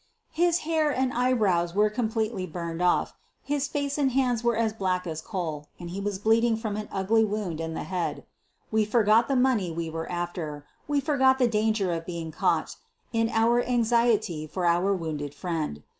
His hair and eyebrows were completely burned off, his face and hands were as black as coal and he was bleeding from an ugly wound in the head. 136 SOPHIE LYONS We forgot the money we were after — we forgot the danger of being caught — in our anxiety for our wounded friend.